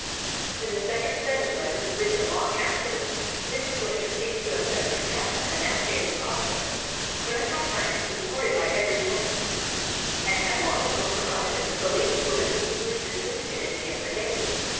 In the second set of letters, written long afterward, Mrs. Winter seems to have "set her cap" at the now famous author; but at that time he was courted by every one, and had long ago forgotten the lady who had so easily dismissed him in his younger days.